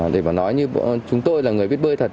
để mà nói như chúng tôi là người biết bơi thật